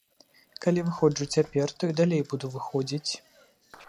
Калі выходжу цяпер, то і далей буду выходзіць.